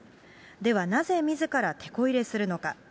ではなぜみずからてこ入れするのか。